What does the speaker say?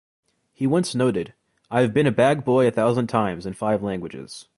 He once noted, I've been a bag boy a thousand times in five languages.